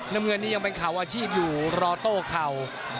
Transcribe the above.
น้ำเงินนี้ยังเป็นเข่าอาชีพอยู่รอโต้เข่า